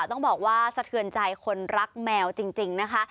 ต้องบอกว่าสะเทือนใจคนรักแมวจริงนะคะ